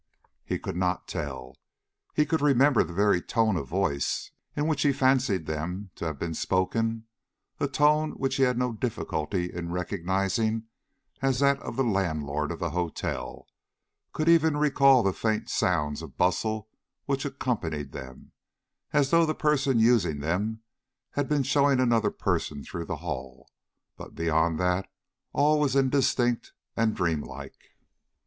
He could not tell. He could remember the very tone of voice in which he fancied them to have been spoken a tone which he had no difficulty in recognizing as that of the landlord of the hotel; could even recall the faint sounds of bustle which accompanied them, as though the person using them had been showing another person through the hall; but beyond that, all was indistinct and dream like.